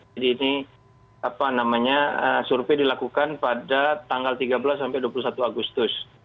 jadi ini survei dilakukan pada tanggal tiga belas sampai dua puluh satu agustus